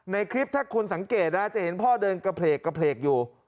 ในคลิปถ้าคนสังเกตนะจะเห็นพ่อเดินกระเพลกอยู่